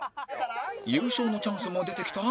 優勝のチャンスが出てきた淳